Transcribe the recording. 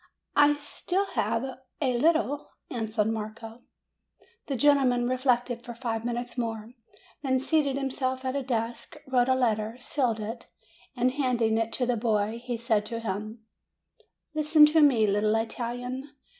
"I still have a little," answered Marco. The gentleman reflected for five minutes more; then seated himself at a desk, wrote a letter, sealed it, and handing it to the boy, he said to him : "Listen to me, little Italian.